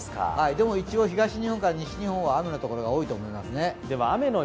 でも一応、東日本から西日本は雨の所が多いと思いますね。